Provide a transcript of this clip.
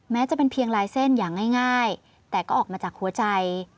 แม้จะเป็นเพียงลายเส้นอย่างง่ายแต่ก็ออกมาจากหัวใจ